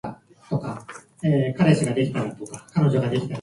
水は必要です